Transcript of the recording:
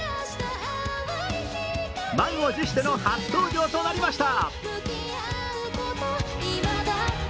満を持しての初登場となりました。